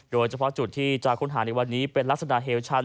โดยเฉพาะจุดที่จะค้นหาในวันนี้เป็นลักษณะเฮลชัน